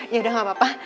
yaudah gak apa apa